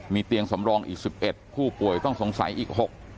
มีเตียงสำรองอีก๑๑ผู้ป่วยต้องสงสัยอีก๖